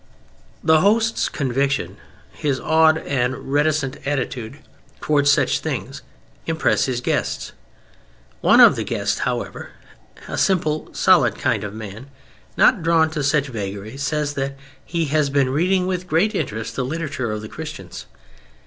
The host's conviction, his awed and reticent attitude towards such things, impress his guests. One of the guests, however, a simple, solid kind of man, not drawn to such vagaries, says that he has been reading with great interest the literature of the Christians.